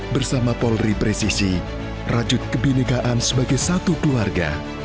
bersama polri presisi rajut kebinekaan sebagai satu keluarga